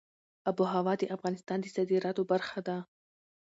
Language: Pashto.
آب وهوا د افغانستان د صادراتو برخه ده.